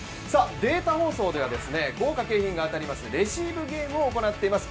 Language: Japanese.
データ放送では豪華賞品が当たりますレシーブゲームを行っています。